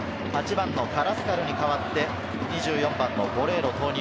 カラスカルに代わって２４番のボレーロ投入。